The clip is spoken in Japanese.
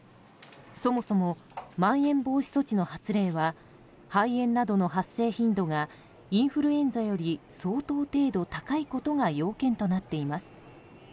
そもそもまん延防止措置の発令は肺炎などの発生頻度がインフルエンザより相当程度、高いことが要件となっています。